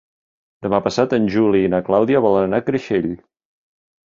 Demà passat en Juli i na Clàudia volen anar a Creixell.